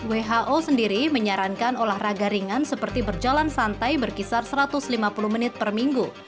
who sendiri menyarankan olahraga ringan seperti berjalan santai berkisar satu ratus lima puluh menit per minggu